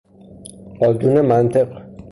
قانون منطق